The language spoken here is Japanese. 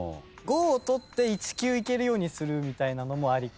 ５を取って１９いけるようにするみたいなのもありかも。